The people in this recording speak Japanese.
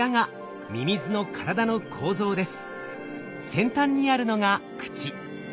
先端にあるのが口。